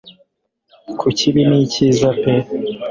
kukibi nicyiza pe